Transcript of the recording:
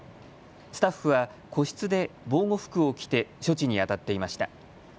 スタッフは個室で防護服を着て処置にあたっていました。